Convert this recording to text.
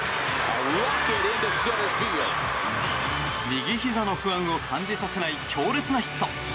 右ひざの不安を感じさせない強烈なヒット。